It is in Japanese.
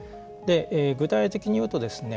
具体的にいうとですね